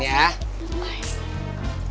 terima kasih bang